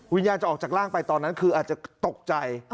วิญญาณจะออกจากร่างไปตอนนั้นคืออาจจะตกใจ